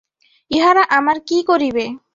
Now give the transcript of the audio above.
ইহারা আমার কী করিবে?